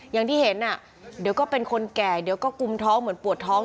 อย่างที่เห็นเดี๋ยวก็เป็นคนแก่เดี๋ยวก็กุมท้องเหมือนปวดท้อง